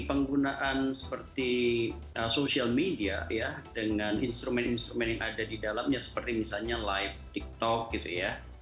penggunaan seperti sosial media ya dengan instrumen instrumen yang ada di dalamnya seperti misalnya live tiktok gitu ya